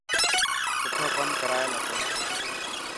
سٺو ڪم ڪرائل هتو.